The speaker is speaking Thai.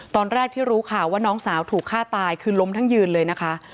ตอนแรกที่รู้ข่าวว่าน้องสาวถูกฆ่าตายคือล้มทั้งยืนเลยนะคะ